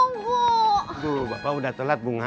aduh bapak udah telat bunga